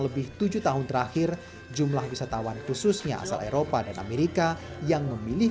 lebih tujuh tahun terakhir jumlah wisatawan khususnya asal eropa dan amerika yang memilih